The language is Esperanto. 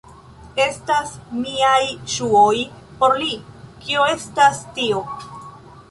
Estas miaj ŝuoj por li. Kio estas tio?